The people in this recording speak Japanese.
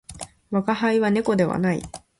我が輩は猫ではない